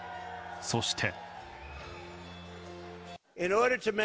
そして。